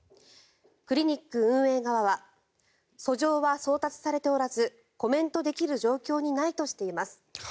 クリニック運営側は訴状は送達されておらずコメントできる状況にないとしています。